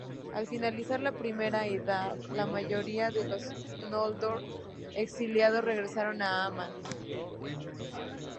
Al finalizar la Primera Edad, la mayoría de los Noldor exiliados regresaron a Aman.